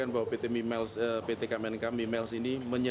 yang terakhir adalah pimpinan di depan programnya